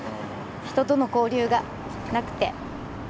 人との交流がなくて。